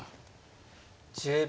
１０秒。